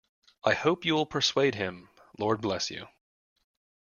I hope you will persuade him, Lord bless you.